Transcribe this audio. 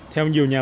theo ông diều nha